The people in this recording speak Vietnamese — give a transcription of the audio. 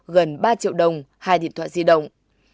gần ba triệu đồng hai điện thoại di động